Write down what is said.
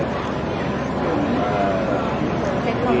แล้วก็จะกรรมรอดทั้งหมดแล้วก็จะกรรมรอดทั้งหมด